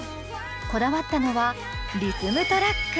こだわったのはリズムトラック。